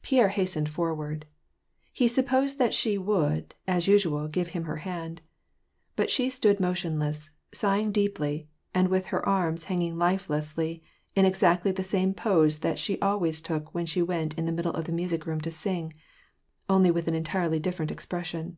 Pierre hastened forward. He supposed that she would, a usual, give him her hand. But she stood motionless, sighin deeply, and with her arms hanging lifelessly, in exactly th same pose that she always took when she went into the middle of the music room to sing, only with an entirely different ex pression.